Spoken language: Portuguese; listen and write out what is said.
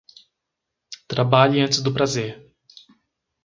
Trabalhe antes do prazer.